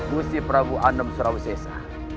gusti prabu anum surabusesa